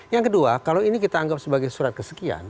yang kedua kalau ini kita anggap sebagai surat kesekian